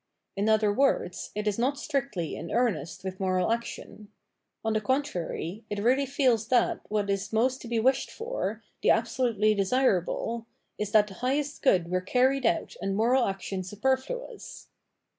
In other words, it is not strictly in earnest with moral action ; on the con 630 Phenomenology of Mind trary, it really feels that, what is most to be wished for, the absolutely desirable, is that the highest good were carried out and moral action superfluous.